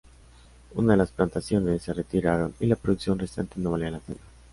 Una de las plantaciones se retiraron, y la producción restante no valía la pena.